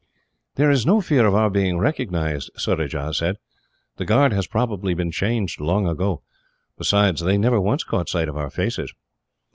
"There is no fear of our being recognised," Surajah said. "The guard has probably been changed, long ago. Besides, they never once caught sight of our faces."